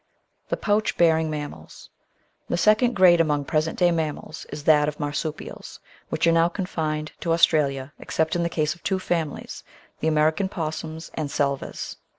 § 2 The Pouch bearing Mammals The second grade among present day mammals is that of the Marsupials, which are now confined to Australia except in the case of two families — ^the American Opossums and Selvas.